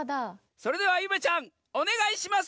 それではゆめちゃんおねがいします！